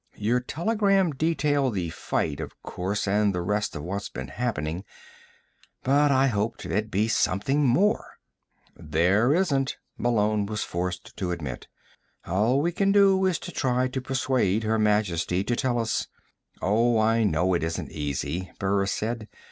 Your telegram detailed the fight, of course, and the rest of what's been happening but I hoped there'd be something more." "There isn't," Malone was forced to admit. "All we can do is try to persuade Her Majesty to tell us " "Oh, I know it isn't easy," Burris said.